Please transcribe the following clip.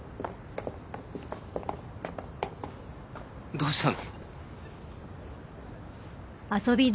どうしたの？